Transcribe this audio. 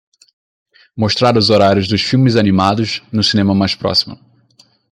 Mostrar os horários dos filmes animados no cinema mais próximo